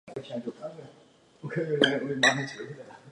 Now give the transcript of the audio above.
当时车站周围主要有农地及少量民居。